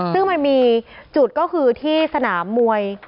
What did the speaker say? ซึ่งมันมีจุดก็คือที่สนามมวย